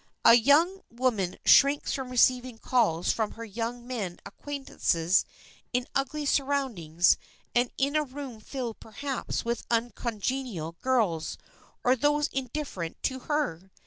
A young woman shrinks from receiving calls from her young men acquaintances in ugly surroundings and in a room filled perhaps with uncongenial girls or those indifferent to her.